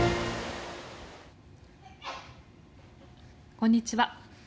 こんにちは。